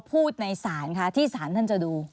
พูดในศาลคะที่สารท่านจะดู